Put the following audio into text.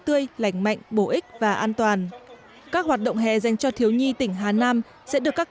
tươi lành mạnh bổ ích và an toàn các hoạt động hè dành cho thiếu nhi tỉnh hà nam sẽ được các